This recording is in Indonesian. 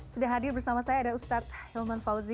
sudah hadir bersama saya ada ustadz hilman fauzi